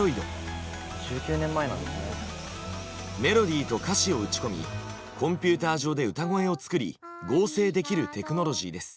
メロディーと歌詞を打ち込みコンピューター上で歌声を作り合成できるテクノロジーです。